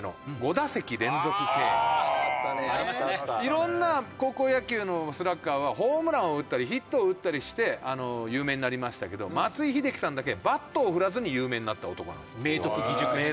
いろんな高校野球のスラッガーはホームランを打ったりヒットを打ったりして有名になりましたけど松井秀喜さんだけバットを振らずに有名になった男なんですよ。